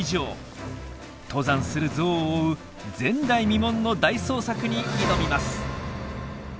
登山するゾウを追う前代未聞の大捜索に挑みます！